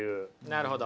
なるほど。